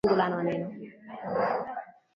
Neno/fungu la maneno